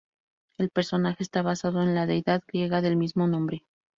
El personaje esta basado en la deidad griega del mismo nombre.